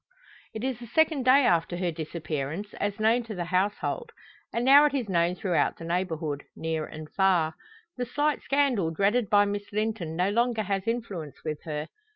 It is the second day after her disappearance, as known to the household; and now it is known throughout the neighbourhood, near and far. The slight scandal dreaded by Miss Linton no longer has influence with her.